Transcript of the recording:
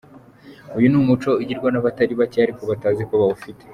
Uyu ni umuco ugirwa n’abatari bake ariko batazi ko bawufite.